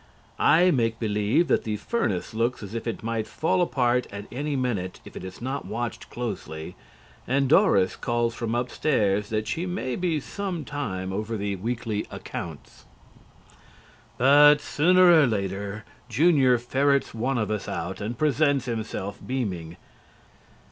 I make believe that the furnace looks as if it might fall apart at any minute if it is not watched closely, and Doris calls from upstairs that she may be some time over the weekly accounts. But sooner or later Junior ferrets one of us out and presents himself beaming.